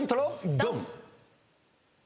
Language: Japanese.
ドン！